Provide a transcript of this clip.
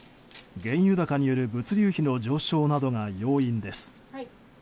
原油高による物流費の上昇が要因です。